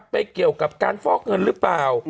เกี่ยวกับการฟอกเงินหรือเปล่า